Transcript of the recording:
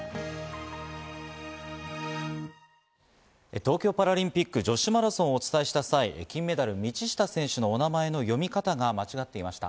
東京パラリンピック女子マラソンをお伝えした際、金メダル・道下選手のお名前の読み方が間違っていました。